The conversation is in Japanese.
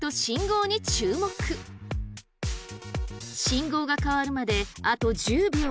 信号が変わるまであと１０秒。